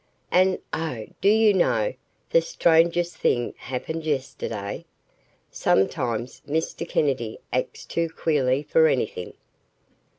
"And, oh, do you know, the strangest thing happened yesterday? Sometimes Mr. Kennedy acts too queerly for anything."